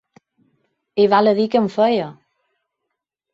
I val a dir que en feia.